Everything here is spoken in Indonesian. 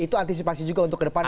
itu antisipasi juga untuk kedepannya